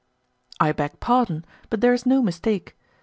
I beg pardon, but there is no mistake.